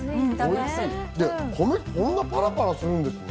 で、米、こんなパラパラするんですね。